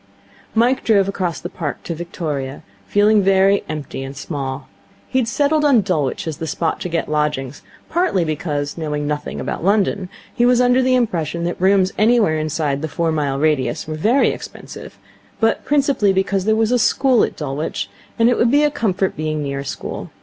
Mike drove across the Park to Victoria, feeling very empty and small. He had settled on Dulwich as the spot to get lodgings, partly because, knowing nothing about London, he was under the impression that rooms anywhere inside the four mile radius were very expensive, but principally because there was a school at Dulwich, and it would be a comfort being near a school.